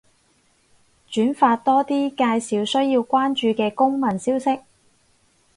轉發多啲介紹需要關注嘅公民消息